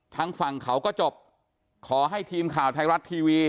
ทางฝั่งเขาก็จบขอให้ทีมข่าวไทยรัฐทีวี